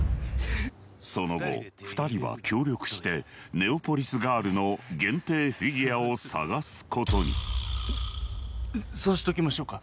その後２人は協力して『ネオポリスガール』の限定フィギュアを探すことにそうしときましょうか。